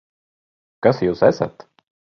Kas jūs esat?